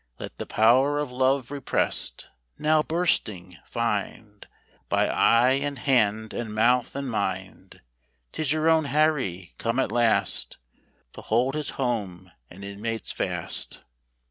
Let the power Of love repressed, now bursting, find By eye, and hand, and mouth, and mind, 'Tis your own Harry come at last To hold his home and inmates fast.